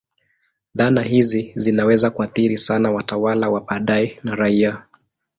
Dhana hizi zinaweza kuathiri sana watawala wa baadaye na raia.